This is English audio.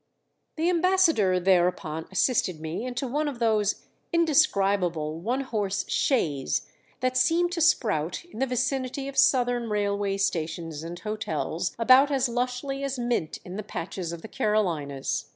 The ambassador thereupon assisted me into one of those indescribable one horse "shays" that seem to sprout in the vicinity of Southern railway stations and hotels about as lushly as mint in the patches of the Carolinas.